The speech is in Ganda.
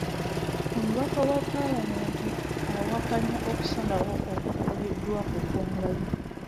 Omubaka wa paalamenti awakanya okusalawo okukoleddwa ku ggwanga lye.